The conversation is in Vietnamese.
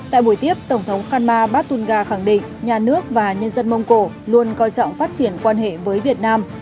tại buổi tiếp tổng thống khan ma batunga khẳng định nhà nước và nhân dân mông cổ luôn coi trọng phát triển quan hệ với việt nam